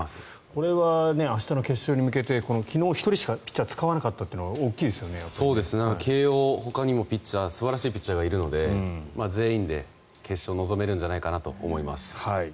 これは明日の決勝に向けて昨日、１人しかピッチャーを使わなかったというのは慶応、ほかにも素晴らしいピッチャーがいるので全員で決勝に臨めるんじゃないかなと思います。